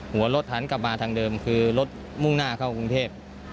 หัวรถหันกลับมาทางเดิมคือรถมุ่งหน้าเข้ากรุงเทพ